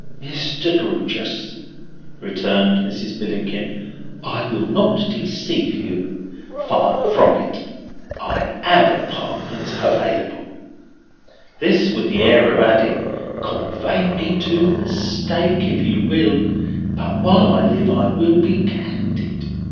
"Mr. Grewgious," returned Mrs. Billickin, "I will not deceive you; far from it. I have apartments available." This with the air of adding: "Convey me to the stake, if you will; but while I live, I will be candid."